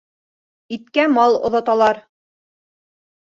Иткә мал оҙаталар.